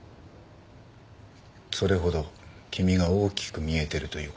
それほど君が大きく見えてるということだ。